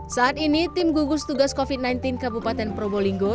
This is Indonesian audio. saat ini tim gugus tugas covid sembilan belas kabupaten probolinggo